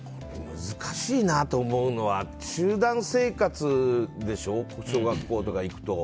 難しいなと思うのは集団生活でしょ小学校とか行くと。